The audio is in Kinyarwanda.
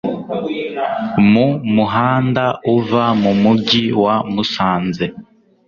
mu muhanda uva mu mugi wa Musanze